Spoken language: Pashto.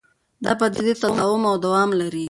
دا پدیدې تداوم او دوام لري.